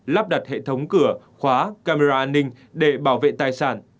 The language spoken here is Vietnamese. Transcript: lắp đặt hệ thống cửa khóa camera an ninh để bảo vệ tài sản